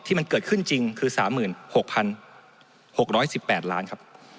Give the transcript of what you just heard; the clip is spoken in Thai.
มันเกิดขึ้นจริงคือ๓๖๖๑๘ล้านครับ